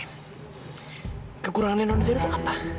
apa kekurangan nonsahira